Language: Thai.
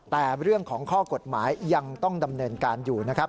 แต่เรื่องของข้อกฎหมายยังต้องดำเนินการอยู่นะครับ